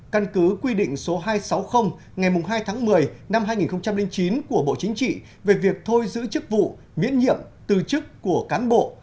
căn cứ quy định số hai trăm sáu mươi ngày hai tháng một mươi năm hai nghìn chín của bộ chính trị về việc thôi giữ chức vụ miễn nhiệm từ chức của cán bộ